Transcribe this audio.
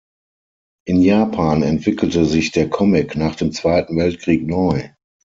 In Japan entwickelte sich der Comic nach dem Zweiten Weltkrieg neu.